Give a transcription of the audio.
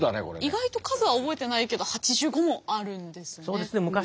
意外と数は覚えてないけど８５もあるんですね。